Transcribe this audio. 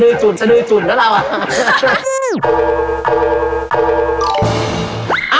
นี่จริงแล้วล่ะ